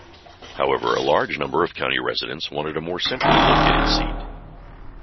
However, a large number of county residents wanted a more centrally located seat.